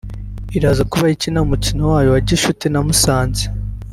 iraza kuba ikina umukino wayo wa gicuti na Musanze